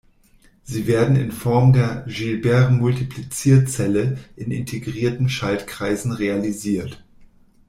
Sie werden in Form der "Gilbert-Multiplizierzelle" in integrierten Schaltkreisen realisiert.